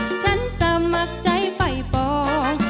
ที่รักฉันสมัครใจไฟฟอง